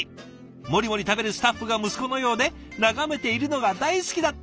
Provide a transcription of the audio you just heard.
もりもり食べるスタッフが息子のようで眺めているのが大好きだったそうです。